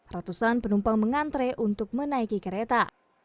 ratusan penumpang mengantre untuk menaiki kereta